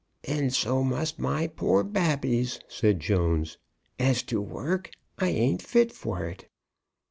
"And so must my poor babbies," said Jones. "As to work, I ain't fit for it."